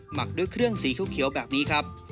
หมักด้วยเครื่องสีเขียวแบบนี้ครับ